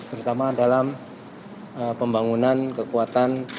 terutama dalam pembangunan kekuatan